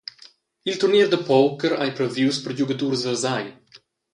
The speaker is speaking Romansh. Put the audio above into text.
Il turnier da poker ei previus per giugadurs versai.